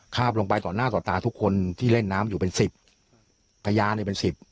บลงไปต่อหน้าต่อตาทุกคนที่เล่นน้ำอยู่เป็นสิบพญาเนี่ยเป็นสิบ